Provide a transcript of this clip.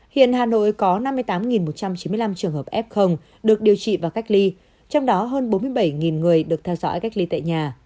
hiện hà nội có năm mươi tám một trăm chín mươi năm trường hợp f được điều trị và cách ly trong đó hơn bốn mươi bảy người được theo dõi cách ly tại nhà